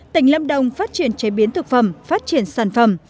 tỉnh lâm đồng phát triển chế biến thực phẩm phát triển sản phẩm